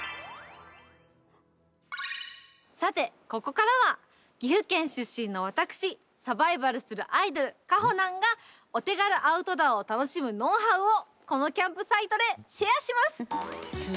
さて、ここからは岐阜県出身の私サバイバルするアイドルかほなんが、お手軽アウトドアを楽しむノウハウをこのキャンプサイトでシェアします！